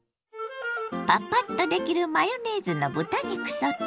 パパッとできるマヨネーズの豚肉ソテー。